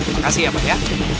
makasih ya pak ya